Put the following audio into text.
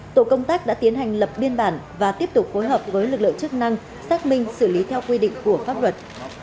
tổ công tác đã tiến hành lập biên bản và tiếp tục phối hợp với lực lượng chức năng xác minh xử lý theo quy định của pháp luật